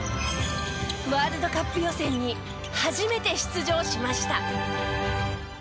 ワールドカップ予選に初めて出場しました。